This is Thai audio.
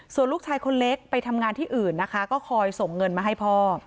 ส่วนลูกชายคนเล็กไปทำงานที่อื่นนะคะก็คอยส่งเงินมาให้พ่อ